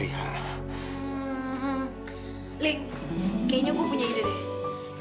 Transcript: lia kayaknya gue punya ide deh